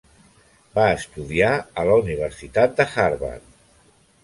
Va estudiar a la Universitat de Harvard.